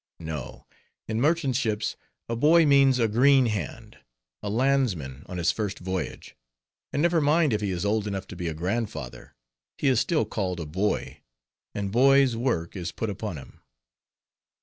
No. In merchant ships, a boy means a green hand, a landsman on his first voyage. And never mind if he is old enough to be a grandfather, he is still called a boy; and boys' work is put upon him.